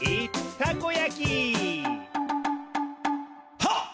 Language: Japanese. はっ！